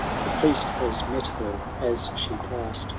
141 A priest has met her as she passed.